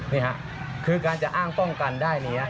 นี่ค่ะคือการจะอ้างป้องกันได้นี้